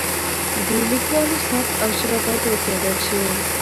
د لیکوالو سبک او ژبه باید وڅېړل شي.